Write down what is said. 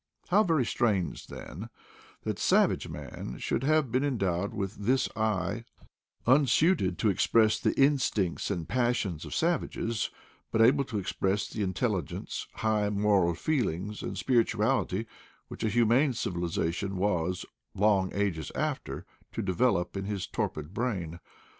How very strange, then, that savage man should have been endowed with this eye unstated to ex press the instincts and passions of savages, but able to express the intelligence, high moral feel ings, and spirituality which a humane civilization was, long ages after, to develop in his torpid brain!